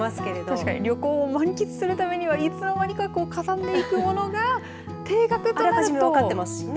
確かに旅行を満喫するためにいつの間にかかさんでいくものが定額となると分かってますしね。